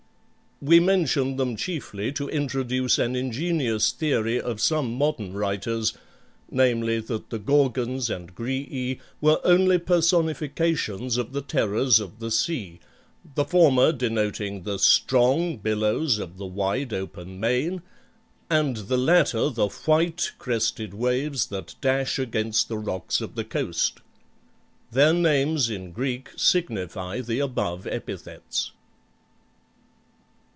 We mention them chiefly to introduce an ingenious theory of some modern writers, namely, that the Gorgons and Graeae were only personifications of the terrors of the sea, the former denoting the STRONG billows of the wide open main, and the latter the WHITE crested waves that dash against the rocks of the coast. Their names in Greek signify the above epithets.